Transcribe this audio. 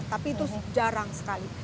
tapi itu jarang sekali